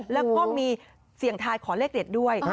แล้วก็มีเสียงทายขอเลขเด็ดด้วย